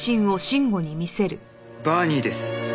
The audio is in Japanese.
バーニーです。